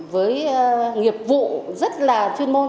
với nghiệp vụ rất là chuyên môn